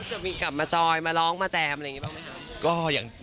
จะมีกลับมาจอยมาร้องมาแจมอะไรอย่างนี้บ้างไหมครับ